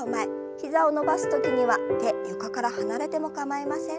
膝を伸ばす時には手床から離れても構いません。